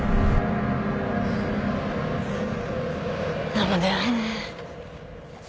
何も出ないね。